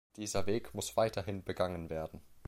Dieser Weg muss weiterhin begangen werden.